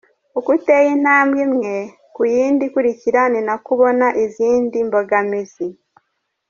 Uko uteye intambwe imwe, ku yindi ikurikira ni nako ubona izindi mbogamizi.